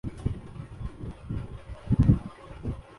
فیض صاحب بہرحال خوب بات کہہ گئے۔